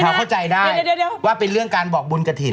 เข้าใจได้ว่าเป็นเรื่องการบอกบุญกระถิ่น